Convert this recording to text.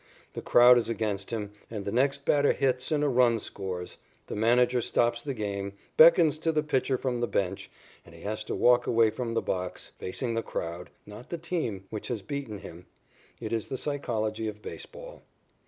The crowd is against him, and the next batter hits, and a run scores. The manager stops the game, beckons to the pitcher from the bench, and he has to walk away from the box, facing the crowd not the team which has beaten him. It is the psychology of baseball.